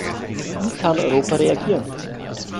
Wie kann Europa reagieren?